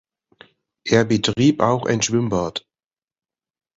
Er betrieb auch ein Schwimmbad.